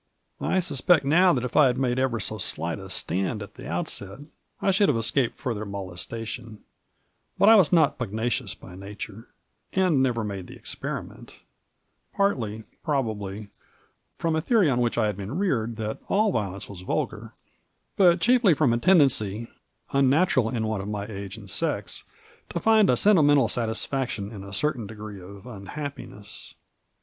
I suspect now that if I had made ever so slight a stand at the outset, I should have escaped further moles tation, but I was not pugnacious by nature, and never made the experiment ; partly, probably, from a theory on which I had been reared that all violence was vulgar, but chiefly from a tendency, unnatural in one of my age and sex, to find a sentimental satisfaction in a certain degree of unhappiness.